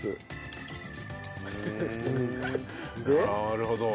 なるほど。